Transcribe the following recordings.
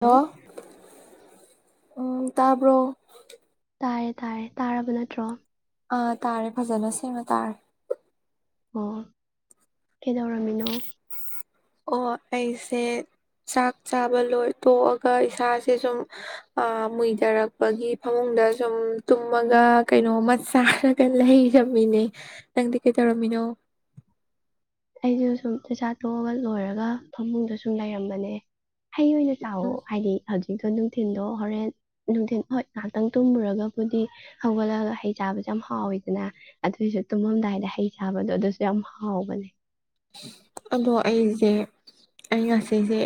ꯅ ꯍꯜꯂꯣ ꯇꯥꯔꯕꯣ ꯇꯥꯔꯦ ꯇꯥꯔꯦ ꯇꯥꯔꯕ ꯅꯠꯇ꯭ꯔꯣ ꯑꯥ ꯇꯥꯔꯦ ꯐꯖꯅ ꯁꯦꯝꯦꯡꯃ ꯇꯥꯔꯦ ꯑꯣ ꯀꯩꯗꯧꯔꯝꯃꯤꯅꯣ ꯑꯣ ꯑꯩꯁꯦ ꯆꯥꯛ ꯆꯥꯕ ꯂꯣꯏ ꯇꯣꯛꯑꯒ ꯏꯁꯥꯁꯦ ꯁꯨꯝ ꯃꯨꯏꯊꯔꯛꯄꯒꯤ ꯐꯃꯨꯡꯗ ꯁꯨꯝ ꯇꯨꯝꯃꯒ ꯀꯩꯅꯣꯃ ꯆꯥꯔꯒ ꯂꯩꯔꯝꯃꯤꯅꯦ ꯅꯪꯗꯤ ꯀꯩꯗꯧꯔꯝꯃꯤꯅꯣ ꯑꯩꯁꯨ ꯁꯨꯝ ꯆꯩꯁꯥ ꯇꯣꯛꯑꯒ ꯂꯣꯏꯔꯒ ꯐꯃꯨꯡꯗ ꯁꯨꯝ ꯂꯩꯔꯝꯕꯅꯦ ꯍꯩ ꯑꯣꯏꯅ ꯎꯝ ꯆꯥꯎꯥꯛꯋ ꯍꯥꯏꯗꯤ ꯍꯧꯖꯤꯛꯁꯨꯣ ꯅꯨꯡꯊꯤꯟꯗꯣ ꯍꯣꯔꯦꯟ ꯅꯨꯡꯊꯤꯟ ꯍꯣꯏ ꯉꯥꯏꯍꯥꯛꯇꯪ ꯇꯨꯝꯃꯨꯔꯒꯕꯨꯗꯤ ꯍꯧꯒꯠꯂꯒ ꯍꯩ ꯆꯥꯕꯁꯨ ꯌꯥꯝ ꯍꯥꯎꯋꯤꯗꯅ ꯑꯗꯨꯑꯣꯏꯁꯨ ꯇꯨꯝꯃꯝꯗꯥꯏꯗ ꯍꯩ ꯆꯥꯕꯗꯣ ꯑꯗꯨꯁꯨ ꯌꯥꯝ ꯍꯥꯎꯕꯅꯦ ꯑꯗꯣ ꯑꯩꯁꯦ ꯑꯩ ꯉꯁꯤꯁꯦ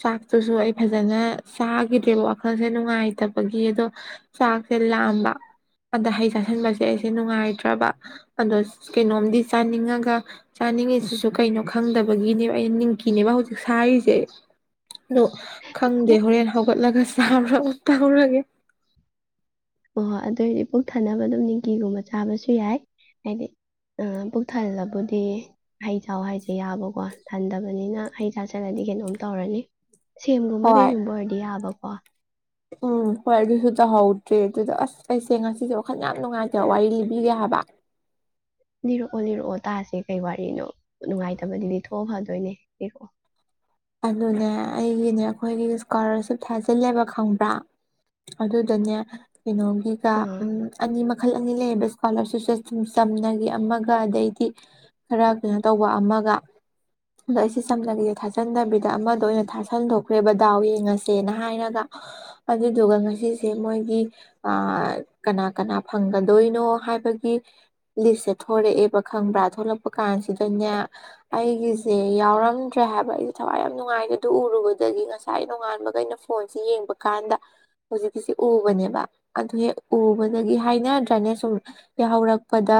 ꯆꯥꯛꯇꯨꯁꯨ ꯑꯩ ꯐꯖꯅ ꯆꯥꯈꯤꯗ꯭ꯔꯦꯕ ꯋꯥꯈꯜꯁꯦ ꯅꯨꯡꯉꯥꯏꯇꯕꯒꯤ ꯑꯗꯣ ꯆꯥꯛꯁꯦ ꯂꯥꯝꯕ ꯑꯗ ꯍꯩ ꯆꯥꯥꯁꯟꯕꯁꯦ ꯑꯩꯁꯦ ꯅꯨꯡꯉꯥꯏꯇ꯭ꯔꯕ ꯑꯗꯣ ꯀꯩꯅꯣꯝꯗꯤ ꯆꯥꯅꯤꯡꯉꯒ ꯆꯥꯅꯤꯡꯉꯤꯁꯤꯁꯨ ꯀꯩꯅꯣ ꯈꯪꯗꯕꯒꯤꯅꯦꯕ ꯑꯩꯅ ꯅꯤꯡꯀꯤꯅꯦꯕ ꯍꯧꯖꯤꯛ ꯁꯥꯔꯤꯁꯦ ꯑꯗꯨ ꯈꯪꯗꯦ ꯍꯣꯔꯦꯟ ꯍꯧ ꯠꯂꯒ ꯁꯔ ꯇ ꯂꯒꯦ ꯍ ꯍꯣꯏ ꯑꯗꯨꯑꯣ ꯑꯣꯏꯔꯗꯤ ꯄꯨꯛ ꯊꯟꯅꯅꯕ ꯑꯗꯨꯝ ꯅꯤꯀꯤꯤꯒꯨꯝꯕ ꯆꯥꯕꯁꯨ ꯌꯥꯏ ꯍꯥꯏꯗꯤ ꯄꯨꯛ ꯊꯜꯂꯕꯨꯗꯤ ꯍꯩ ꯆ ꯍꯥꯏꯁꯦ ꯌꯥꯕꯀꯣ ꯊꯟꯗꯕꯅꯤꯅ ꯍꯩ ꯆꯥꯁꯤꯜꯂꯗꯤ ꯀꯩꯅꯣꯝ ꯇꯧꯔꯅꯤ ꯁꯦꯝꯒꯨꯝꯕ ꯍꯣꯏ ꯀꯩꯒꯨꯝꯕ ꯑꯣꯏꯔꯗꯤ ꯌꯥꯕ ꯋꯥ ꯎꯝ ꯍꯣꯏ ꯑꯗꯨꯁꯨ ꯇꯧꯍꯧꯗ꯭ꯔꯦ ꯑꯗꯨꯗ ꯑꯁ ꯑꯩꯁꯦ ꯉꯁꯤꯁꯦ ꯋꯥꯈꯜ ꯌꯥꯝ ꯅꯨꯡꯉꯥꯏꯇꯦ ꯋꯥꯔꯤ ꯂꯤꯕꯤꯔꯦ ꯍꯥꯏꯕ ꯂꯤꯔꯛꯑꯣ ꯂꯤꯔꯛꯑꯣ ꯇꯥꯁꯦ ꯀꯩ ꯋꯥꯔꯤꯅꯣ ꯅꯨꯡꯉꯥꯏꯇꯕꯗꯨꯗꯤ ꯊꯣꯛꯣꯛꯑ ꯐꯗꯣꯏꯅꯦ ꯂꯤꯔꯛꯑꯣ ꯑꯗꯨꯅꯦ ꯑꯩꯒꯤꯅꯦ ꯑꯩꯈꯣꯏꯒꯤ ꯏꯁꯀꯣꯂꯥꯔꯁꯤꯞ ꯊꯥꯖꯤꯜꯂꯦꯕ ꯈꯪꯕ꯭ꯔꯥ ꯑꯗꯨꯗꯅꯦ ꯀꯩꯅꯣꯒꯤꯒ ꯑꯥ ꯎ ꯑꯅꯤꯃꯛ ꯃꯈꯜ ꯑꯅꯤ ꯂꯩꯌꯦ ꯏꯁꯀꯣꯂꯔꯁꯤꯞꯁꯦ ꯁꯨꯝ ꯆꯝꯅꯒꯤ ꯑꯃꯒ ꯑꯗꯩꯗꯤ ꯈꯔ ꯀꯩꯅꯣ ꯇꯧꯕ ꯑꯃꯒ ꯑꯗꯣ ꯑꯩꯁꯦ ꯆꯝꯅꯒꯁꯦ ꯊꯥꯖꯩ ꯅꯕꯤ ꯑꯃꯗ ꯑꯣꯏꯅ ꯊꯥꯥꯁꯟꯗꯣꯛ ꯈ꯭ꯔꯦꯕ ꯗꯥꯎ ꯌꯦꯡꯉꯁꯦꯅ ꯍꯥꯏꯔꯒ ꯑꯗꯨꯗꯨꯒ ꯉꯁꯤꯁꯦ ꯃꯣꯏꯒꯤ ꯀꯅꯥ ꯀꯅꯥ ꯐꯪꯒꯗꯣꯏꯅꯣ ꯍꯥꯏꯕꯒꯤ ꯂꯤꯁꯁꯦ ꯊꯂꯛꯑꯦꯕ ꯈꯪꯕ꯭ꯔꯥ ꯊꯣꯛꯂꯛꯄ ꯀꯥꯟꯁꯤꯗꯅꯦ ꯑꯩꯒꯤꯁꯦ ꯌꯥꯎꯔꯝꯗ꯭ꯔꯦ ꯍꯥꯏꯕ ꯑꯩ ꯊꯋꯥꯏ ꯌꯥꯝ ꯅꯨꯡꯉꯥꯏꯦ ꯑꯗꯨ ꯎꯔꯨꯕꯗꯒꯤ ꯉꯁꯥꯏ ꯅꯣꯡꯉꯥꯟꯕꯒ ꯑꯩꯅ ꯐꯣꯟꯁꯤꯦ ꯌꯦꯡꯕ ꯀꯥꯟꯗ ꯍꯧꯖꯤꯛꯀꯤꯁꯤ ꯎꯕꯅꯦꯕ ꯑꯗꯨ ꯍꯦꯛ ꯎꯕꯗꯒꯤ ꯍꯥꯏꯅ ꯗ꯭ꯔꯦꯅꯦꯖ ꯁꯨꯝ ꯌꯥꯍꯧꯔꯛꯄꯗ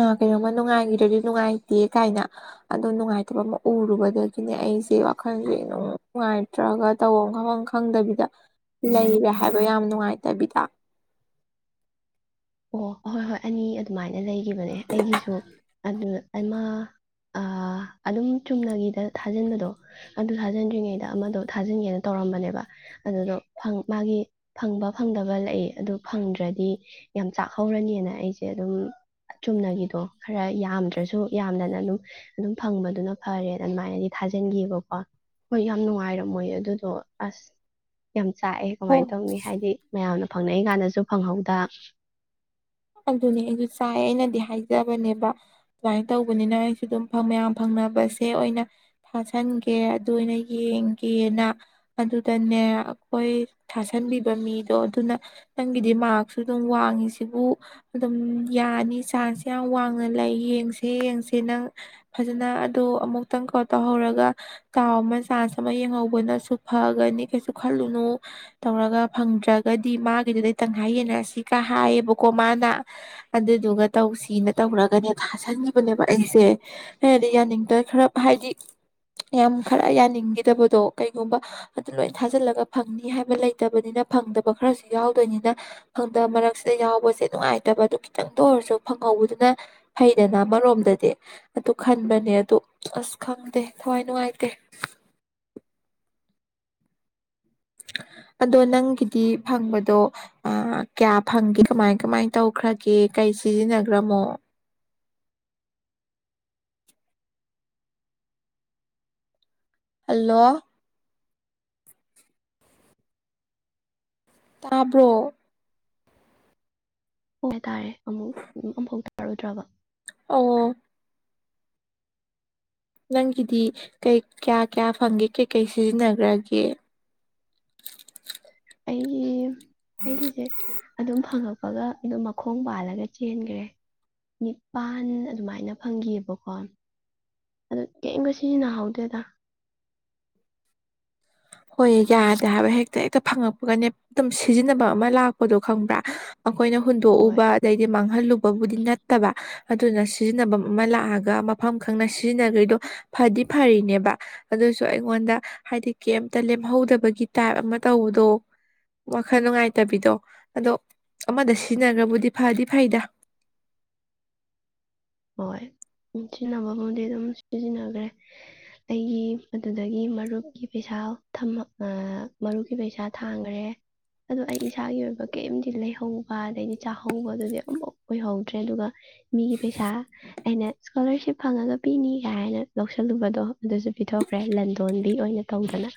ꯑ ꯀꯩꯅꯣꯝꯃ ꯅꯨꯡꯉꯥꯏꯈꯤꯗꯗꯤ ꯅꯨꯡꯉꯥꯏꯇꯦ ꯀꯥꯏꯅ ꯑꯗꯣ ꯅꯨꯡꯉꯥꯏꯇꯕ ꯑꯃ ꯎꯔꯨꯕꯗꯒꯤ ꯁꯤꯅꯦ ꯑꯩꯁꯦ ꯋꯥꯈꯜꯁꯦ ꯅꯨꯡꯉꯥꯏꯇ꯭ꯔꯒ ꯇꯧꯐꯝ ꯈꯪꯐꯝ ꯈꯪꯗꯕꯤꯗ ꯂꯩꯔꯦ ꯍꯥꯏꯕ ꯌꯥꯝ ꯅꯨꯡꯉꯥꯏꯇꯕꯤꯗ ꯑꯣ ꯑꯍꯣꯏ ꯍꯣꯏ ꯑꯅꯤ ꯑꯗꯨꯃꯥꯏꯅ ꯂꯩꯈꯤꯕꯅꯦ ꯑꯩꯒꯤꯁꯨ ꯑꯗꯨ ꯑꯃ ꯑꯗꯨꯝ ꯆꯨꯝꯅꯒꯤꯗ ꯊꯥꯖꯤꯟꯕꯗꯣ ꯑꯗꯨ ꯊꯥꯖꯟꯗ꯭ꯔꯤꯉꯩꯗ ꯑꯃꯗꯣ ꯊꯥꯖꯤꯟꯒꯦꯅ ꯇꯧꯔꯝꯕꯅꯦꯕ ꯑꯗꯨꯗꯣ ꯃꯥꯒꯤ ꯐꯪꯕ ꯐꯪꯗꯕ ꯂꯩ ꯑꯗꯨ ꯐꯪꯗ꯭ꯔꯗꯤ ꯌꯥꯝ ꯆꯥꯛꯍꯧꯔꯅꯤꯅ ꯑꯩꯁꯦ ꯑꯗꯨꯝ ꯆꯨꯝꯅꯒꯤꯗꯣ ꯈꯔ ꯌꯥꯝꯗ꯭ꯔꯁꯨ ꯌꯥꯝꯗꯅ ꯑꯗꯨꯝ ꯑꯗꯨꯝ ꯐꯪꯕꯗꯨꯅ ꯐꯔꯦꯅ ꯑꯗꯨꯃꯥꯏꯅꯗꯤ ꯊꯥꯖꯤꯟꯈꯤꯑꯕꯀꯣ ꯍꯣꯏ ꯌꯥꯝ ꯅꯨꯡꯉꯥꯏꯔꯝꯃꯣꯏ ꯑꯗꯨꯗꯣ ꯑꯁ ꯌꯥꯝ ꯆꯥꯛꯑꯦ ꯍꯣ ꯀꯃꯥꯏꯅ ꯇꯧꯅꯤ ꯍꯥꯏꯗꯤ ꯃꯌꯥꯝꯅ ꯐꯪꯅꯩꯏ ꯀꯥꯟꯗꯁꯨ ꯐꯪꯍꯧꯗ ꯑꯗꯨꯅꯤ ꯑꯩꯁꯨ ꯆꯥꯏ ꯑꯩꯅꯗꯤ ꯍꯥꯏꯖꯕꯅꯦꯕ ꯑꯗꯨꯃꯥꯏꯅ ꯇꯧꯕꯅꯤꯅ ꯑꯩꯁꯨ ꯑꯗꯨꯝ ꯃꯌꯥꯝ ꯐꯪꯅꯕꯁꯦ ꯑꯣꯏꯅ ꯊꯥꯁꯟꯒꯦ ꯑꯗꯨ ꯑꯣꯏꯅ ꯌꯦꯡꯒꯦꯅ ꯑꯗꯨꯗꯅꯦ ꯑꯩꯈꯣꯏ ꯊꯥꯁꯟꯕꯤꯕ ꯃꯤꯗꯣ ꯑꯗꯨꯅ ꯅꯪꯒꯤꯗꯤ ꯃꯔꯛꯁꯁꯨ ꯑꯗꯨꯝ ꯋꯥꯡꯉꯤ ꯁꯤꯕꯨ ꯑꯗꯨꯝ ꯌꯥꯅꯤ ꯆꯥꯟꯁ ꯌꯥꯝ ꯋꯥꯡꯅ ꯂꯩ ꯌꯦꯡꯁꯦ ꯌꯦꯡꯁꯦ ꯅꯪ ꯐꯖꯅ ꯑꯣ ꯑꯃꯨꯛꯇꯪ ꯀꯣ ꯇꯧꯍꯧꯔꯒ ꯇꯥꯎ ꯑꯃ ꯆꯥꯟꯁ ꯑꯃ ꯌꯦꯡꯍꯧꯕꯅꯁꯨ ꯐꯒꯅꯤ ꯀꯩꯁꯨ ꯈꯜꯂꯨꯅꯨ ꯇꯧꯔꯒ ꯐꯪꯗ꯭ꯔꯒꯗꯤ ꯃꯥꯒꯤꯗꯨꯗꯩ ꯇꯪꯈꯥꯏ ꯌꯦꯟꯅꯔꯁꯤ ꯀ ꯍꯥꯏꯌꯦꯕꯀ ꯀꯣꯃꯅ ꯑꯗꯨꯗꯨꯒ ꯇꯧꯁꯤꯅ ꯇꯧꯔꯒꯅꯦ ꯊꯥꯖꯟꯈꯤꯕꯅꯦꯕ ꯑꯩꯁꯦ ꯍꯥꯏꯗꯤ ꯌꯥꯅꯤꯡꯗ ꯈꯔ ꯍꯥꯏꯗꯤ ꯌꯥꯝ ꯈꯔ ꯌꯥꯅꯤꯡꯈꯤꯗꯕꯗꯣ ꯀꯩꯒꯨꯝꯕ ꯑꯗꯨ ꯂꯣꯏ ꯊꯥꯖꯜꯂꯒ ꯐꯪꯅꯤ ꯍꯥꯏꯕ ꯂꯩꯇꯕꯅꯤꯅ ꯐꯪꯗꯕ ꯈꯔꯁꯨ ꯌꯥꯎꯗꯣꯏꯅꯤꯅ ꯐꯪꯗꯕ ꯃꯔꯛꯁꯤꯗ ꯌꯥꯎꯕ ꯁꯦ ꯅꯨꯡꯉꯥꯏꯇꯕ ꯑꯗꯨ ꯈꯤꯇꯪꯗ ꯑꯣꯏꯔꯁꯨ ꯐꯪꯍꯧꯕꯗꯨꯅ ꯐꯩꯗꯅ ꯑꯃꯔꯣꯝꯗꯗꯤ ꯑꯗꯨ ꯈꯟꯕꯅꯦ ꯑꯗꯨ ꯑꯁ ꯈꯪꯗꯦ ꯈ꯭ꯋꯥꯏ ꯅꯨꯡꯉꯥꯏꯇꯦ [inaudible] ꯍꯜꯂꯣ ꯇꯥꯕ꯭ꯔꯣ ꯍꯣꯏ ꯇꯔꯦ ꯑꯃꯨꯛ ꯑꯃꯨꯐꯥꯎ ꯇꯥꯔꯨꯗ꯭ꯔꯕ ꯑꯣ ꯅꯪꯒꯤꯗꯤ ꯀꯩ ꯀꯌꯥ ꯀꯌꯥ ꯐꯪꯒꯦ ꯀꯩꯀꯩ ꯁꯤꯖꯤꯟꯅꯈ꯭ꯔꯒꯦ ꯑꯩꯒꯤ ꯑꯩꯒꯤꯁꯦ ꯑꯗꯨꯝ ꯐꯪꯉꯛꯄ ꯍꯥꯄꯒ ꯑꯗꯨꯝ ꯃꯈꯣꯡ ꯄꯥꯜꯂꯒ ꯆꯦꯟꯈ꯭ꯔꯦ ꯅꯤꯄꯥꯟ ꯑꯗꯨꯃꯥꯏꯅ ꯐꯪꯈꯤꯑꯕꯀꯣ ꯑꯗꯨ ꯀꯔꯤꯝꯕ ꯁꯤꯖꯤꯟꯅꯍꯧꯗꯦꯗ ꯍꯣꯏ ꯌꯥꯗꯦ ꯍꯥꯏꯕ ꯍꯦꯛꯇ ꯍꯦꯛꯇ ꯐꯪꯉꯛꯄꯒꯅꯦ ꯑꯗꯨꯝ ꯁꯤꯖꯤꯟꯅꯕ ꯑꯃ ꯂꯥꯛꯄꯗꯣ ꯈꯪꯕ꯭ꯔꯥ ꯑꯩꯈꯣꯏꯅ ꯍꯣꯏ ꯍꯨꯟꯗꯣꯛꯎꯕ ꯑꯗꯩꯗꯤ ꯃꯥꯡ ꯃꯍꯜꯂꯨꯕꯕꯨꯗꯤ ꯅꯠꯇꯕ ꯑꯗꯨꯅ ꯁꯤꯖꯤꯟꯅꯐꯝ ꯑꯃ ꯂꯥꯛꯑꯒ ꯃꯐꯝ ꯈꯪꯅ ꯁꯤꯖꯤꯟꯅꯈꯩꯗꯣ ꯐꯗꯤ ꯐꯔꯤꯅꯦꯕ ꯑꯗꯨꯁꯨ ꯑꯩꯉꯣꯟꯗ ꯍꯥꯏꯗꯤ ꯀꯩꯝꯇ ꯂꯦꯝꯍꯧꯗꯕꯒꯤ ꯇꯥꯏꯞ ꯑꯃ ꯇꯧꯕꯗꯣ ꯋꯥꯈꯜ ꯅꯨꯡꯉꯥꯏꯇꯕꯤꯗꯣ ꯑꯗꯣ ꯑꯃꯗ ꯁꯤꯖꯤꯟꯅꯈ꯭ꯔꯕꯨꯗꯤ ꯐꯗꯤ ꯐꯩꯗ ꯍꯣꯏ ꯁꯤꯖꯤꯟꯅꯕꯕꯨꯗꯤ ꯑꯗꯨꯝ ꯁꯤꯖꯤꯟꯅꯈ꯭ꯔꯦ ꯑꯩꯒꯤ ꯑꯗꯨꯗꯒꯤ ꯃꯔꯨꯞꯀꯤ ꯄꯩꯁꯥ ꯃꯔꯨꯞꯀꯤ ꯄꯩꯁꯥ ꯊꯥꯡꯈ꯭ꯔꯦ ꯑꯗꯣ ꯑꯩ ꯏꯁꯥꯒꯤ ꯑꯣꯏꯕ ꯀꯔꯤꯝꯇ ꯂꯩꯍꯧꯕ ꯑꯗꯩꯗꯤ ꯆꯥꯍꯧꯕꯗꯨꯗꯤ ꯑꯃꯝꯐꯥꯎ ꯑꯣꯏꯍꯧꯗ꯭ꯔꯦ ꯑꯗꯨꯒ ꯃꯤꯒꯤ ꯄꯩꯁꯥ ꯑꯩꯅ ꯏꯁꯀꯣꯂꯥꯔꯁꯤꯞ ꯐꯪꯉꯒ ꯄꯤꯅꯤ ꯀꯥꯏ ꯍꯥꯏꯅ ꯂꯧꯁꯜꯂꯨꯕꯗꯣ ꯑꯗꯨꯁꯨ ꯄꯤꯊꯣꯛꯈ꯭ꯔꯦ ꯂꯟꯗꯣꯟꯕꯤ ꯑꯣꯏꯅ ꯇꯧꯗꯅ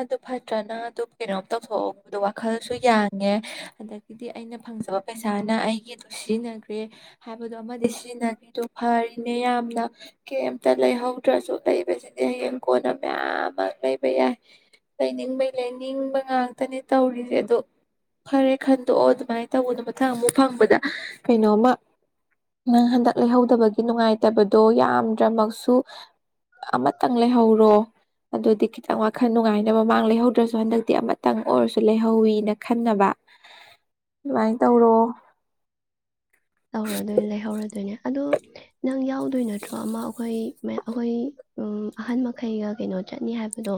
ꯑꯗꯨ ꯐꯠꯇ꯭ꯔꯅ ꯑꯗꯨ ꯀꯩꯅꯣꯝ ꯇꯧꯊꯣꯛꯍꯧꯕꯗꯣ ꯋꯥꯈꯜꯁꯨ ꯌꯥꯡꯉꯦ ꯑꯗꯒꯤꯗꯤ ꯑꯩꯅ ꯐꯪꯖꯕ ꯄꯩꯁꯥꯅ ꯑꯩꯒꯤꯗ ꯁꯤꯖꯤꯟꯅꯈ꯭ꯔꯦ ꯍꯥꯏꯕꯗꯣ ꯑꯃꯗꯤ ꯁꯤꯖꯤꯟꯅꯈ꯭ꯔꯤꯗ ꯐꯔꯤꯅꯦ ꯌꯥꯝꯅ ꯀꯩꯝꯇ ꯂꯩꯍꯧꯗ꯭ꯔꯁꯨ ꯂꯩꯕꯁꯤꯗꯤ ꯍꯌꯦꯡ ꯀꯣꯟꯅ ꯃꯌꯥꯝ ꯑꯃ ꯂꯩꯕ ꯌꯥꯏ ꯂꯩꯅꯤꯡꯕꯩ ꯂꯩꯅꯤꯡꯕ ꯉꯥꯛꯇꯅꯦ ꯇꯧꯔꯤꯁꯦ ꯑꯗꯣ ꯈꯔꯦ ꯈꯟꯗꯣꯛꯑꯣ ꯑꯗꯨꯃꯥꯏꯅ ꯇꯧꯕꯗꯣ ꯃꯊꯪ ꯑꯃꯨꯛ ꯐꯪꯕꯗ ꯀꯩꯅꯣꯃ ꯅꯪ ꯍꯟꯗꯛ ꯂꯩꯍꯧꯗꯕꯒꯤ ꯅꯨꯡꯉꯥꯏꯇꯕꯗꯣ ꯌꯥꯝꯗ꯭ꯔꯃꯛꯁꯨ ꯑꯃꯇꯪ ꯂꯩꯍꯧꯔꯣ ꯑꯗꯨꯗꯤ ꯈꯤꯇꯪ ꯋꯥ ꯋꯥꯈꯟ ꯅꯨꯡꯉꯥꯏꯅꯕ ꯃꯥꯡ ꯂꯩꯍꯧꯗ꯭ꯔꯁꯨ ꯍꯟꯗꯛꯇꯤ ꯑꯃꯇꯪ ꯑꯣꯏꯔꯁꯨ ꯂꯩꯍꯧꯋꯤꯅ ꯈꯟꯅꯕ ꯑꯗꯨꯃꯥꯏꯅ ꯇꯧꯔꯣ ꯍꯧꯔꯗꯣꯏꯅꯦ ꯂꯩꯍꯧꯔꯗꯣꯏꯅꯦ ꯑꯗꯣ ꯅꯪ ꯌꯥꯎꯗꯣꯏ ꯅꯠꯇ꯭ꯔꯣ ꯑꯃ ꯑꯩꯈꯣꯏ ꯑꯩꯈꯣꯏ ꯑꯍꯟ ꯃꯈꯩꯒ ꯀꯩꯅꯣ ꯆꯠꯅꯤ ꯍꯥꯏꯕꯗꯣ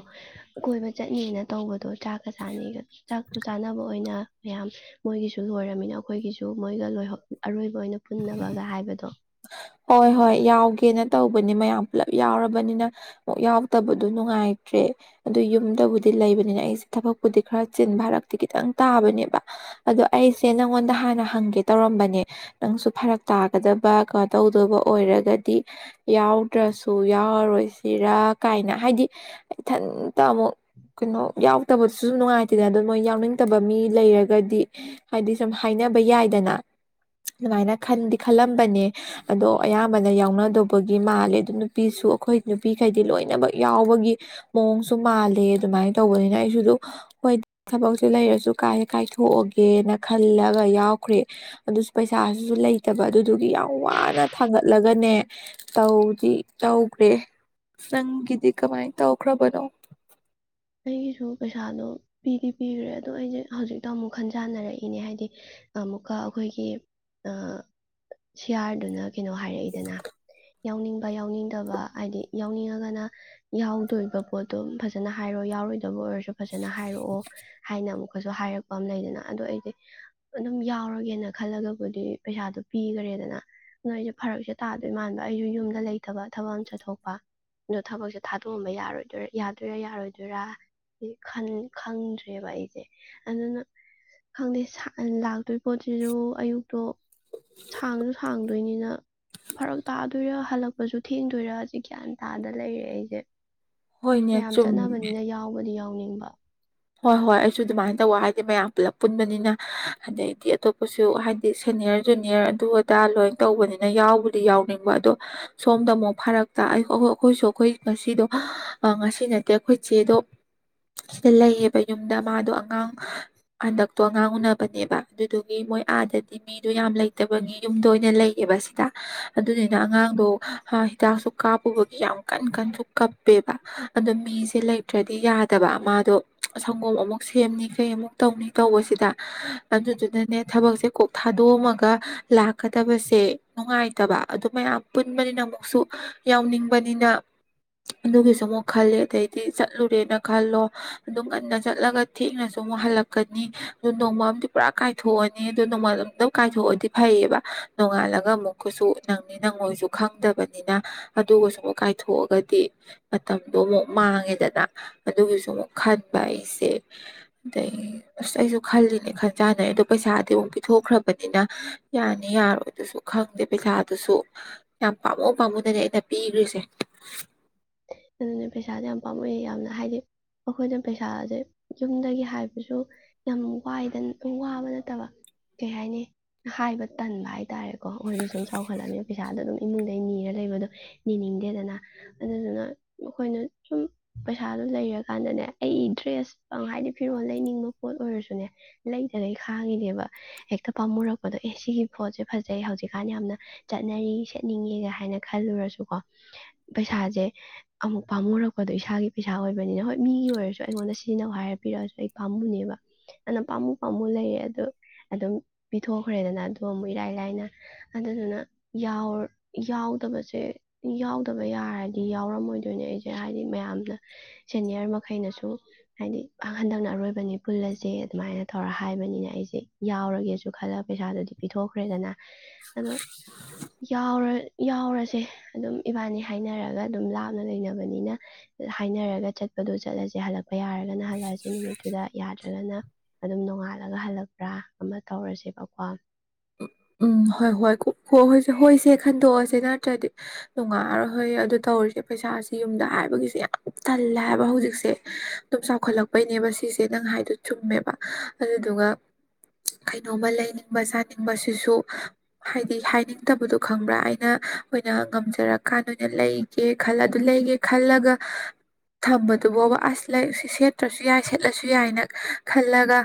ꯀꯣꯏꯕ ꯆꯠꯅꯤꯅ ꯇꯧꯕꯗꯣ ꯆꯥꯛꯀ ꯆꯥꯅꯤꯒ ꯍꯤꯗꯥꯛꯇꯨ ꯆꯥꯅꯕ ꯑꯣꯏꯅ ꯃꯌꯥꯝ ꯃꯣꯏꯒꯤꯁꯨ ꯂꯣꯏꯔꯃꯤꯅ ꯑꯩꯈꯣꯏꯒꯤꯁꯨ ꯃꯣꯏꯒ ꯂꯣꯏꯍꯧ ꯑꯔꫭꯏ ꯂꫭꯏꯅ ꯄꯨꯟꯅꯕꯒ ꯍꯥꯏꯕꯗꯣ ꯍꯣꯏ ꯍꯣꯏ ꯌꯥꯎꯒꯦꯅ ꯇꯧꯕꯅꯦ ꯃꯌꯥꯝ ꯄꯨꯂꯞ ꯌꯥꯎꯔꯕꯅꯤꯅ ꯑꯃꯨꯛ ꯌꯥꯎꯗꯕꯗꯣ ꯅꯨꯡꯉꯥꯏꯇ꯭ꯔꯦ ꯑꯗꯨ ꯌꯨꯝꯗꯕꯨꯗꯤ ꯂꯩꯕꯅꯤꯅ ꯑꯩꯁꯦ ꯊꯕꯛꯄꯨꯗꯤ ꯈꯔ ꯆꯤꯟ ꯐꯔꯛꯇꯤ ꯈꯤꯇꯪ ꯇꯥꯕꯅꯦꯕ ꯑꯗꯣ ꯑꯩꯁꯦ ꯅꯪꯉꯣꯟꯗ ꯍꯥꯟꯅ ꯍꯪꯒꯦ ꯇꯧꯔꯝꯕꯅꯦ ꯅꯪꯁꯨ ꯐꯔꯛ ꯇꯥꯒꯗꯕ ꯇꯧꯗꯕ ꯑꯣꯏꯔꯒꯗꯤ ꯌꯥꯎꯗ꯭ꯔꯁꯨ ꯌꯥꯎꯔꯔꯣꯏꯁꯤꯔ ꯀꯥꯏꯅ ꯍꯥꯏꯗꯤ ꯏꯊꯟꯇ ꯑꯃꯨꯛ ꯀꯩꯅꯣ ꯌꯥꯎꯗꯕꯗꯨꯁꯨ ꯅꯨꯡꯉꯥꯏꯇꯦꯗ ꯑꯗꯨꯗ ꯃꯣꯏ ꯌꯥꯎꯅꯤꯡꯗꯕ ꯃꯤ ꯂꯩꯔꯒꯗꯤ ꯍꯥꯏꯗꯤ ꯁꯨꯝ ꯍꯥꯏꯅꯕ ꯌꯥꯏꯗꯅ ꯑꯗꯨꯃꯥꯏꯅ ꯈꯟꯗꯤ ꯈꯜꯂꯝꯕꯅꯦ ꯑꯗꯣ ꯑꯌꯥꯝꯕꯅ ꯌꯥꯎꯅꯗꯧꯕꯒꯤ ꯃꯥꯜꯂꯦ ꯑꯗꯨꯝ ꯅꯨꯄꯤꯁꯨ ꯑꯩꯈꯣꯏ ꯅꯨꯄꯤꯈꯩꯗꯤ ꯂꯣꯏꯅꯃꯛ ꯌꯥꯎꯕꯒꯤ ꯃꯑꯣꯡꯁꯨ ꯃꯥꯜꯂꯦ ꯑꯗꯨꯃꯥꯏꯅ ꯇꯧꯕꯅꯤꯅ ꯑꯩꯁꯨ ꯑꯗꯨ ꯍꯣꯏ ꯊꯕꯛꯁꯦ ꯂꯩꯔꯁꯨ ꯀꯥꯏ ꯀꯥꯏꯊꯣꯛꯑꯒꯦꯅ ꯈꯜꯂꯒ ꯌꯥꯎꯈ꯭ꯔꯦ ꯑꯗꯨꯁꯨ ꯄꯩꯁꯥꯁꯤꯁꯨ ꯂꯩꯇꯕ ꯑꯗꯨꯗꯨꯒꯤ ꯌꯥꯝ ꯋꯥ ꯅ ꯊꯥꯡꯒꯠꯂꯒꯅꯦ ꯇꯧꯗꯤ ꯇꯧꯈ꯭ꯔꯦ ꯅꯪꯒꯤꯗꯤ ꯀꯃꯥꯏ ꯇꯧꯈ꯭ꯔꯕꯅꯣ ꯑꯩꯒꯤꯁꯨ ꯄꯩꯁꯥꯗꯣ ꯄꯤꯗꯤ ꯄꯤꯈ꯭ꯔꯦ ꯑꯗꯣ ꯑꯩꯁꯦ ꯍꯧꯖꯤꯛꯇ ꯑꯃꯨꯛ ꯈꯟꯖꯥꯟꯅꯔꯛꯏꯅꯦ ꯍꯥꯏꯗꯤ ꯑꯃꯨꯛꯀ ꯑꯩꯈꯣꯏꯒꯤ ꯑ ꯁꯤ ꯑꯥꫪꯗꯨꯅ ꯀꯩꯅꯣ ꯍꯥꯏꯔꯛꯏꯗꯅ ꯌꯥꯎꯅꯤꯡꯕ ꯌꯥꯎꯅꯤꯡꯗꯕ ꯍꯥꯏꯗꯤ ꯌꯥꯎꯅꯤꯡꯉꯒꯅ ꯌꯥꯎꯗꯣꯕ ꯄꯣꯠꯇꯣ ꯐꯖꯅ ꯍꯥꯏꯔꯣ ꯌꯥꯎꯔꯣꯏꯗꯕ ꯑꯣꯏꯔꯁꯨ ꯐꯖꯅ ꯍꯥꯏꯔꯛꯑꯣ ꯍꯥꯏꯅ ꯑꯃꯨꯛ ꯄꯁꯨ ꯍꯥꯏꯔꯛꯄ ꯑꯃ ꯂꯩꯗꯅ ꯑꯗꯣ ꯑꯩꯗꯤ ꯑꯗꯨꯝ ꯌꯥꯎꯔꯒꯦꯅ ꯈꯜꯂꯒꯕꯨꯗꯤ ꯄꯩꯁꯥꯗꯣ ꯄꯤꯈꯔꯦꯗꯅ ꯑꯗꯨꯅ ꯑꯩꯁꯨ ꯐꯔꯛꯁꯦ ꯇꯥꯗꯣꯏ ꯃꯥꯟꯕ ꯑꯩꯁꯨ ꯌꯨꯝꯗ ꯂꯩꯇꯕ ꯊꯕꯛ ꯑꯃ ꯆꯠꯊꯣꯛꯄ ꯑꯗꯣ ꯊꯕꯛꯁꯦ ꯊꯥꯗꯣꯛꯑꯝꯕ ꯌꯥꯔꯣꯏꯗꯣꯏꯔ ꯌꯥꯗꯣꯏꯔꯥꯌꯥꯔꯣꯏ ꯑꯗꯨꯔ ꯈꯟ ꯈꯪꯗ꯭ꯔꯦꯕ ꯑꯩꯁꯦ ꯑꯗꯨꯅ ꯈꯪꯗꯦ ꯂꯥꯛꯇꯣꯏ ꯄꯣꯠꯁꯤꯁꯨ ꯑꯌꯨꯛꯇꯣ ꯁꯥꯡꯁꯨ ꯁꯥꯡꯗꯣꯏꯅꯤꯅ ꯐꯔꯛ ꯇꯥꯗꯣꯏꯔꯥ ꯍꯜꯂꯛꯄꯁꯨ ꯊꯦꯡꯗꯣꯏꯔꯖꯤ ꯒ꯭ꯌꯥꯟ ꯇꯥꯗ ꯂꯩꯔꯦ ꯑꯩꯁꯦ ꯍꯣꯏꯅꯦ ꯆꯨꯝ ꯅꯕꯅꯤꯅ ꯌꯥꯎꯕꯗꯤ ꯌꯥꯎ ꯎꯅꯤꯡꯕ ꯍꯣꯏ ꯍꯣꯏ ꯑꯩꯁꯨ ꯑꯗꯨꯃꯥꯏꯅ ꯇꯧꯕ ꯍꯥꯏꯗꯤ ꯃꯌꯥꯝ ꯄꯨꯂꯞ ꯄꯨꯟꯕꯅꯤꯅ ꯑꯗꯩꯗꯤ ꯑꯇꯣꯞꯄꯁꯨ ꯍꯥꯏꯗꯤ ꯁꯦꯅꯤꯌꯥꯔ ꯖꯨꯅꯤꯌꯥꯔ ꯑꯗꯨ ꯑꯗꯥ ꯂꯣꯏ ꯇꯧꯕꯅꯤꯅ ꯌꯥꯎꯕꯨꯗꯤ ꯌꯥꯎꯅꯤꯡꯕ ꯑꯗꯣ ꯁꯣꯝꯗ ꯑꯃꯨꯛ ꯐꯔꯛꯇ ꯑꯩꯈꯣꯏꯁꯨ ꯑꯩꯈꯣꯏ ꯉꯁꯤꯗꯣ ꯉꯁꯤ ꯅꯠꯇꯦ ꯑꯩꯈꯣꯏ ꯆꯦꯗꯣ ꯁꯤꯗ ꯂꯩꯌꯦꯕ ꯕ ꯌꯨꯝꯗ ꯃꯥꯗꯣ ꯑꯉꯥꯡ ꯍꯟꯗꯛꯇꯣ ꯑꯉꯥꯡ ꯎꯅꯕꯅꯦꯕ ꯑꯗꯨꯗꯨꯒꯤ ꯃꯣꯏ ꯑꯥꯗꯗꯤ ꯃꯤꯗꯣ ꯌꯥꯝ ꯂꯩꯇꯕꯒꯤ ꯌꯨꯝꯗ ꯑꯣꯏꯅ ꯂꯩꯌꯦꯕ ꯁꯤꯗ ꯑꯗꯨꯗꯨꯅ ꯑꯉꯥꯡꯗꯣ ꯍꯤꯗꯥꯛꯁꯨ ꯀꯥꯞꯄꯨꯕꯒꯤ ꯌꯥꯝ ꯀꯟ ꯀꯟꯁꯨ ꯀꯞꯄꯦꯕ ꯑꯗꯣ ꯃꯤꯁꯦ ꯂꯩꯇ꯭ꯔꯗꯤ ꯌꯥꯗꯕ ꯃꯥꯗꯣ ꯁꯪꯒꯣꯝ ꯑꯃꯨꯛ ꯁꯦꯝꯅꯤ ꯀꯩ ꯑꯃꯨꯛ ꯇꯧꯅꯤ ꯇꯧꯕꯁꯤꯗ ꯑꯗꯨꯗꯨꯅꯅꯦ ꯊꯕꯛꯁꯦ ꯀꯣꯛ ꯊꯥꯗꯣꯛꯑꯝꯃꯒ ꯂꯥꯛꯀꯗꯕꯁꯦ ꯅꯨꯡꯉꯥꯏꯇꯕ ꯑꯗꯨ ꯃꯌꯥꯝ ꯄꯨꯟꯕꯅꯤꯅ ꯑꯃꯨꯛꯁꯨ ꯌꯥꯎꯅꯤꯡꯕꯅꯤꯅ ꯑꯗꯨꯒꯤꯁꯨ ꯑꯃꯨꯛ ꯈꯜꯂꯦ ꯑꯗꯩꯗꯤ ꯆꯠꯂꯨꯔꯦꯅ ꯈꯜꯂꯣ ꯑꯗꯨꯝ ꯉꯟꯅ ꯆꯠꯂꯒ ꯊꯦꯡꯅꯁꯨ ꯑꯃꯨꯛ ꯍꯜꯂꯛꯀꯅꯤ ꯑꯗꯨ ꯅꯣꯡꯃꯝꯗꯤ ꯄꯨꯔꯥ ꯀꯥꯏꯊꯣꯛꯑꯅꯤ ꯑꯗꯨ ꯅꯣꯡꯃꯥꯜ ꯑꯃꯗ ꯀꯥꯏꯊꯣꯛꯑꯗꯤ ꯐꯩꯌꯦꯕ ꯅꯣꯡꯉꯥꯜꯂꯒ ꯑꯃꯨꯛꯀꯁꯨ ꯅꯪꯅꯤ ꯅꯪꯉꯣꯏꯁꯨ ꯈꯪꯗꯕꯅꯤ ꯅꯤꯅ ꯑꯗꯨꯒꯁꯨ ꯑꯃꯨꯛ ꯀꯥꯏꯊꯣꯛꯑꯒꯗꯤ ꯃꯇꯝꯗꯣ ꯑꯃꯨꯛ ꯃꯥꯡꯉꯦꯗꯅ ꯑꯗꯨꯒꯤꯁꯨ ꯑꯃꯨꯛ ꯈꯟꯕ ꯑꯩꯁꯦ ꯑꯗꯩ ꯑꯁ ꯑꯩꯁꯨ ꯈꯜꯂꯤꯅꯦ ꯈꯟꯖꯥꯅꯩ ꯑꯗꯣ ꯄꯩꯁꯥꯗꯤ ꯑꯃꯨꯛ ꯄꯤꯊꯣꯛꯈ꯭ꯔꯕꯅꯤꯅ ꯌꯥꯅꯤ ꯌꯥꯔꯣꯏ ꯑꯗꯨꯁꯨ ꯈꯪꯗꯦ ꯄꯩꯁꯥꯗꯨꯁꯨ ꯌꯥꯝ ꯄꯥꯝꯃꯨ ꯄꯥꯝꯃꯣꯗꯅꯦ ꯑꯩꯅ ꯄꯤꯈ꯭ꯔꯤꯁꯦ ꯑꯗꯨꯅ ꯄꯩꯁꯥꯁꯦ ꯌꯥꯝ ꯄꯥꯝꯃꯛꯑꯦ ꯌꯥꯝꯅ ꯍꯥꯏꯗꯤ ꯑꯩꯈꯣꯏꯅ ꯄꯩꯁꯥꯁꯦ ꯌꯨꯝꯗꯒꯤ ꯍꯥꯏꯕꯁꯨ ꯌꯥꯝ ꯋꯥꯏꯗ ꯋꯥꯕ ꯅꯠꯇꯕ ꯀꯩ ꯍꯥꯏꯅꯤ ꯍꯥꯏꯕ ꯇꯟꯕ ꯍꯥꯏꯇꯥꯥꯔꯦ ꯀꯣ ꯑꯈꯣꯏꯁꯨ ꯁꯨꯝ ꯆꯥꯎꯈꯠꯂꯅꯤꯅ ꯄꯩꯁꯥꯗꯣ ꯑꯗꯨꯝ ꯏꯃꯨꯡꯗꯩ ꯅꯤꯔ ꯂꯩꯕꯗꯣ ꯅꯤꯅꯤꯡꯗꯦꯗꯅ ꯑꯗꯨꯗꯨꯅ ꯑꯩꯈꯣꯏꯅ ꯁꯨꯝ ꯄꯩꯁꯥꯗꯨꯣ ꯂꯩꯔꯀꯥꯟꯗꯅꯦ ꯑꯩ ꯗ꯭ꯔꯦꯁ ꯍꯥꯏꯗꯤ ꯐꯤꯔꯣꯜ ꯂꯩꯅꯤꯡꯕ ꯄꯣꯠ ꯑꯣꯏꯔꯁꯨꯅꯦ ꯂꯩꯗꯅ ꯑꯩ ꯈꯥꯡꯉꯤꯅꯦꯕ ꯍꯦꯛꯇ ꯄꯥꯝꯃꯨꯔꯛꯄꯗꯣ ꯑꯦ ꯁꯤꯒꯤ ꯄꯣꯠꯁꯦ ꯐꯖꯩ ꯍꯧꯖꯤꯛꯀꯥꯟ ꯌꯥꯝꯅ ꯆꯠꯅꯔꯤ ꯁꯦꯠꯅꯤꯡꯉꯦꯒ ꯍꯥꯏꯅ ꯈꯜꯂꯨꯔꯁꯨꯀꯣ ꯄꯩꯁꯥꯁꯦ ꯑꯃꯨꯛ ꯄꯥꯝꯃꯨꯔꯛꯄꯗꯣ ꯏꯁꯥꯒꯤ ꯄꯩꯁꯥ ꯑꯣꯏꯕꯅꯤꯅ ꯍꯣꯏ ꯃꯤꯒꯤ ꯑꯣꯏꯔꯁꯨ ꯑꯩꯉꯣꯟꯗ ꯁꯤꯖꯤꯟꯅꯧ ꯍꯥꯏꯔ ꯄꯤꯔꯛꯑꯁꯨ ꯑꯩ ꯄꯥꯝꯃꯨꯅꯦꯕ ꯑꯗꯨꯅ ꯄꯥꯝꯃꯨ ꯄꯥꯝꯃꯨ ꯂꯩꯔꯦ ꯑꯗꯨꯗ ꯑꯗꯨꯝ ꯄꯤꯊꯣꯛꯈ꯭ꯔꯦꯗꯅ ꯑꯗꯨꯗ ꯑꯃꯨꯛ ꯏꯔꯥꯏ ꯂꯥꯏꯅ ꯑꯗꯨꯗꯨꯅ ꯌꯥꯎ ꯌꯥꯎꯗꯕꯁꯦ ꯌꯥꯎꯗꯕ ꯕ ꯌꯥꯔꯗꯤ ꯌꯥꯎꯔꯝꯃꯣꯏꯗꯣꯏꯅꯦ ꯑꯩꯁꯦ ꯍꯥꯏꯗꯤ ꯃꯌꯥꯝꯅ ꯁꯦꯅꯤꯌꫪ ꯃꯈꯩꯅꯁꯨ ꯍꯥꯏꯗꯤ ꯍꯟꯗꯛꯅ ꯑꯔꯣꯏꯕꯅꯤ ꯄꯨꯜꯂꯁꯦ ꯑꯗꯨꯃꯥꯏꯅ ꯇꯧꯔ ꯍꯥꯏꯕꯅꯤꯅ ꯑꯩꯁꯦ ꯌꯥꯎꯔꯒꯦꯁꯨ ꯈꯜꯂ ꯄꯩꯁꯥꯗꯨꯗꯤ ꯄꯤꯊꯣꯛꯈ꯭ꯔꯦꯗꯅ ꯑꯗꯣ ꯌꯥꯎꯔ ꯌꯥꯎꯔꯁꯦ ꯑꯗꯨꯝ ꯏꯕꯥꯅꯤ ꯍꯥꯏꯅꯔꯒ ꯑꯗꯨꯝ ꯂꯥꯞꯅ ꯂꯩꯅꯕꯅꯤꯅ ꯍꯥꯏꯅꯔꯒ ꯆꯠꯄꯗꯣ ꯆꯠꯂꯁꯦ ꯍꯜꯂꯛꯄ ꯌꯥꯔꯒꯅ ꯍꯜꯂꯛꯑꯁꯤ ꯅꯨꯃꯤꯠꯇꯨꯗ ꯌꯥꯗ꯭ꯔꯒꯅ ꯑꯗꯨꯝ ꯅꯣꯡꯉꯥꯜꯂꯒ ꯍꯜꯂꯛꯄ꯭ꯔ ꯑꯃ ꯇꯧꯔꯁꯦꯕꯀꯣ ꯎꯝ ꯍꯣꯏ ꯍꯣꯏ ꯍ ꯍꯣꯏꯁꯦ ꯍꯣꯏꯁꯦ ꯈꯟꯗꯣꯛꯑꯁꯦ ꯅꯠꯇ꯭ꯔꯗꯤ ꯅꯨꯡꯉꯥꯏꯔꯣꯏ ꯍꯣꯏ ꯑꯗꯨ ꯇꯧꯔꯤꯁꯦ ꯄꯩꯁꯥꯥꯁꯦ ꯌꯨꯝꯗ ꯍꯥꯏꯕꯒꯤꯁꯦ ꯌꯥꯝ ꯇꯜꯂꯦ ꯍꯥꯏꯕ ꯍꯧꯖꯤꯛꯁꯦ ꯑꯗꯨꯝ ꯆꯥꯎꯈꯠꯂꯛꯄꯩꯅꯦꯕ ꯁꯤꯁꯦ ꯅꯪ ꯍꯥꯏꯗꯣ ꯆꯨꯝꯃꯦꯕ ꯑꯗꯨꯗꯨꯒ ꯀꯩꯅꯣꯝꯃ ꯂꯩꯅꯤꯡꯕ ꯆꯥꯅꯤꯡꯕꯁꯨ ꯁꯤꯁꯨ ꯍꯥꯏꯗꯤ ꯍꯥꯏꯅꯤꯡꯗꯕꯗꯣ ꯈꯪꯕ꯭ꯔꯥ ꯑꯩꯅ ꯑꯣꯏꯅ ꯉꯝꯖꯔꯀꯥꯟꯗ ꯑꫭꯏꯅ ꯂꯩꯒꯦ ꯈꯜ ꯑꯗꯨ ꯂꯩꯒꯦ ꯈꯜꯂꯒ ꯊꯝꯕꯗꯨꯕꫭꯕ ꯑꯁ ꯂꯩꯔꯁꯨ ꯁꯦꯠꯇ꯭ꯔꯁꯨ ꯌꯥꯏ ꯁꯦꯠꯂꯁꯨ ꯌꯥꯏꯅ ꯈꯜꯂꯒꯥ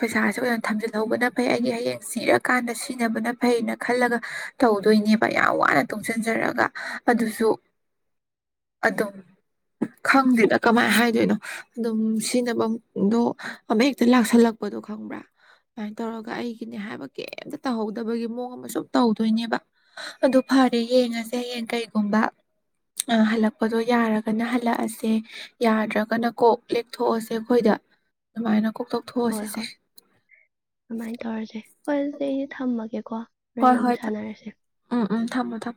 ꯄꯩꯁꯥꯁꯦ ꯑꯣꯏꯅ ꯊꯝꯖꯤꯜꯍꯧꯕꯅ ꯐꯩ ꯑꯩꯒꯤ ꯍꯌꯦꯡ ꯆꯤꯔꯛ ꯀꯥꯟꯗ ꯁꯤꯖꯤꯟꯅꯕꯅ ꯐꯩꯅ ꯈꯜꯂꯒ ꯇꯧꯗꯣꯏꯅꯦꯕ ꯌꯥꯝ ꯋꯥꯅ ꯇꯨꯡꯁꯤꯟꯖꯔꯒ ꯑꯗꯨꯁꯨ ꯑꯗꯨꯝ ꯈꯪꯗꯦꯅ ꯀꯃꯥꯏꯅ ꯍꯥꯏꯗꯣꯏꯅꯣ ꯑꯗꯨꯝ ꯁꯤꯖꯤꯟꯅꯐꯝꯗꯣ ꯑꯃ ꯍꯦꯛꯇ ꯂꯥꯛꯁꯜꯂꯛꯄꯗꯣ ꯈꯪꯕ꯭ꯔꯥ ꯑꯗꯨꯃꯥꯏꯅ ꯇꯧꯔꯒ ꯑꯩꯒꯤꯅꯦ ꯍꯥꯏꯕ ꯀꯩꯝꯇ ꯇꯧꯍꯧꯗꯕꯒꯤ ꯃꯑꯣꯡ ꯑꯃ ꯁꯨꯝ ꯇꯧꯗꯣꯏꯅꯦꯕ ꯑꯗꯨ ꯐꯔꯦ ꯌꯦꯡꯉꯁꯦ ꯍꯌꯦꯡ ꯀꯩꯒꯨꯝꯕ ꯍꯜꯂꯛꯄꯗꯣ ꯌꯥꯔꯒꯅ ꯍꯜꯂꯛꯑꯁꯦ ꯌꯥꯗ꯭ꯔꯒꯅ ꯀꯣꯛ ꯂꯦꯛꯊꯣꯛꯑꯁꯦ ꯑꯩꯈꯣꯏꯗ ꯑꯗꯨꯃꯥꯏꯅ ꯀꯣꯛ ꯍꯣꯏ ꯇꯧꯊꯣꯛꯑꯁꯤꯁꯦ ꯍꯣꯏ ꯑꯗꯨꯃꯥꯏꯅ ꯇꯧꯔꯁꯦ ꯐꯔꯁꯦ ꯑꯩ ꯊꯝꯃꯃꯦ ꯀꯣ ꯍ꯭ꯔꯦꯟ ꯍꯣꯏ ꯍꯣꯏ ꯑꯃꯨꯛ ꯁꯥꯟꯅꯔꯁꯦ ꯎꯝ ꯎꯝ ꯊꯝꯃꯣ ꯊꯝꯃꯣ